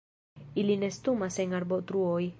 Ili nestumas en arbotruoj.